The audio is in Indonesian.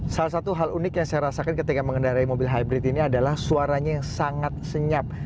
salah satu hal unik yang saya rasakan ketika mengendarai mobil hybrid ini adalah suaranya yang sangat senyap